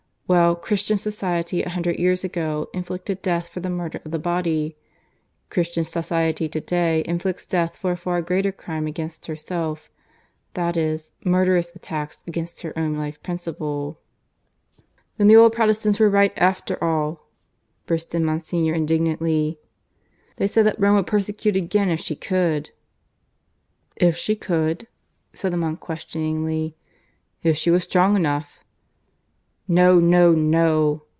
Well, Christian society a hundred years ago inflicted death for the murder of the body; Christian society to day inflicts death for a far greater crime against herself that is, murderous attacks against her own life principle." "Then the old Protestants were right after all," burst in Monsignor indignantly; "they said that Rome would persecute again if she could." "If she could?" said the monk questioningly. "If she was strong enough." "No, no, no!"